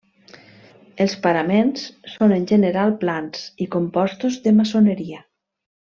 Els paraments són en general plans i compostos de maçoneria.